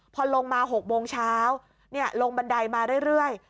พอลงมา๖โมงเช้าลงบันไดมาเรื่อย